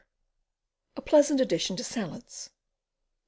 A pleasant addition to salads.